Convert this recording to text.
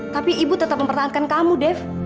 tapi ibu tetap mempertahankan kamu def